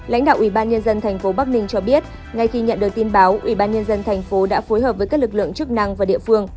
lãnh đạo ủy ban nhân dân tp bắc ninh cho biết ngay khi nhận được tin báo ủy ban nhân dân thành phố đã phối hợp với các lực lượng chức năng và địa phương